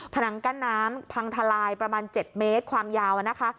นังกั้นน้ำพังทลายประมาณ๗เมตรความยาวนะคะ